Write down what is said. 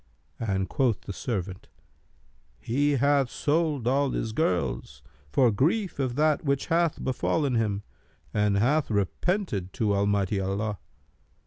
and quoth the servant, 'He hath sold all his girls, for grief of that which hath befallen him, and hath repented to Almighty Allah.'